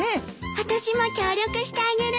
あたしも協力してあげる。